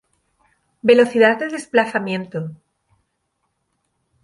Velocidad de desplazamiento.